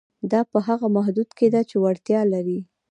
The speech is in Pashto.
دا په هغه محدوده کې ده چې وړتیا لري.